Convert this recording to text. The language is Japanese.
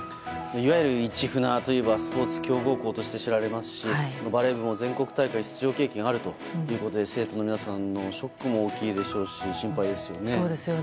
いわゆる市船といえばスポーツ強豪校として知られますしバレー部も全国大会に出場経験があるということで生徒の皆さんのショックも大きいでしょうし心配ですよね。